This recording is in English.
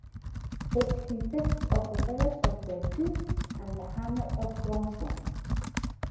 It consists of the village of Veytaux and the hamlet of Grandchamp.